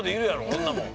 そんなもん。